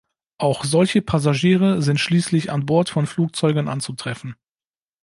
Auch solche Passagiere sind schließlich an Bord von Flugzeugen anzutreffen.